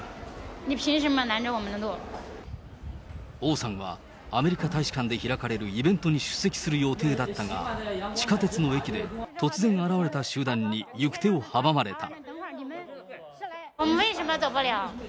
王さんは、アメリカ大使館で開かれるイベントに出席する予定だったが、地下鉄の駅で、突然現れた集団に行方を阻まれた。